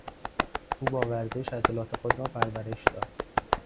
او با ورزش عضلات خود را پرورش داد.